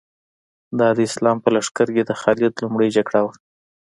دا د اسلام په لښکر کې د خالد لومړۍ جګړه وه.